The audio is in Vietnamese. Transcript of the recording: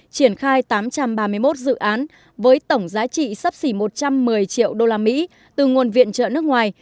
triển khai tám trăm ba mươi một dự án với tổng giá trị sắp xỉ một trăm một mươi triệu đô la mỹ từ nguồn viện trợ nước ngoài